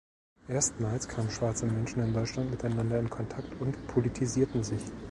Erstmals kamen schwarze Menschen in Deutschland miteinander in Kontakt und politisierten sich.